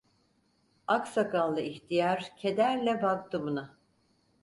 Ak sakallı ihtiyar kederle baktı buna.